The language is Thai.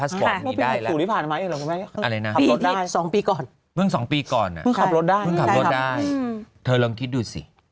สมมุติที่ได้แล้วพูดว่าสองปีก่อนสองปีก่อนเพิ่งคับรถได้